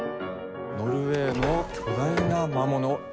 ノルウェーの巨大な魔物トロール。